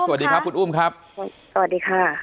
สวัสดีครับคุณอุ้มครับสวัสดีค่ะ